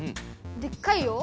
でっかいよ。